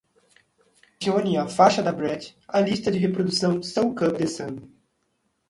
Adicione a faixa da brat à lista de reprodução Soak Up The Sun.